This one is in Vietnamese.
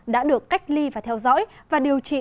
đã được cách ly và theo dõi